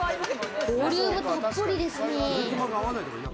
ボリュームたっぷりですね。